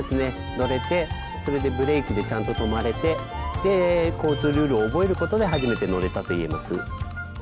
乗れてそれでブレーキでちゃんと止まれてで交通ルールを覚えることで初めて乗れたと言えます。